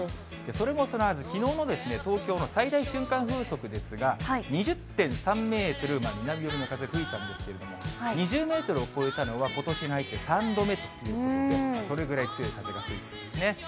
それもそのはず、きのうの東京の最大瞬間風速ですが、２０．３メートル、南寄りの風吹いたんですけれども、２０メートルを超えたのはことしに入って３度目ということで、それぐらい強い風が吹いたんですね。